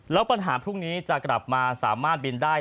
แล้วปัญหาพรุ่งนี้จะกลับมาสามารถบินได้